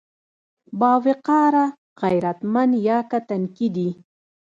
باوقاره، غيرتمن يا که تنکي دي؟